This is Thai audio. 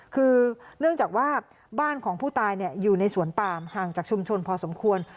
คือเนื่องจากว่าบ้านของผู้ตายอยู่ในสวนปามห่างจากชุมชนพอสมควร